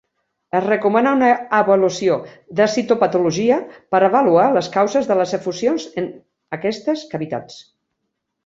Es recomana una avaluació de citopatologia per avaluar les causes de les efusions en aquestes cavitats.